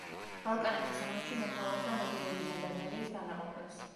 ბალკანეთის ომებში მეთაურობდა მობილური ჟანდარმერიის დანაყოფებს.